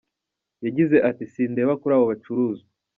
Yagize ati “Sindeba kuri abo bacuruzwa.